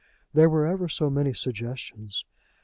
There were ever so many suggestions.